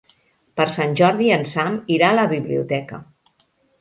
Per Sant Jordi en Sam irà a la biblioteca.